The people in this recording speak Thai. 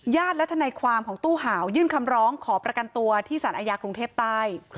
และทนายความของตู้หาวยื่นคำร้องขอประกันตัวที่สารอาญากรุงเทพใต้